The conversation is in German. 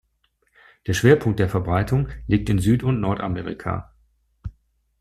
Der Schwerpunkt der Verbreitung liegt in Süd- und Nordamerika.